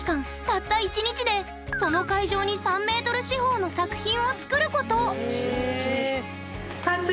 たった１日でこの会場に３ｍ四方の作品を作ること。